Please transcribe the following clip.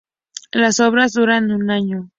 Las obras durarán un año.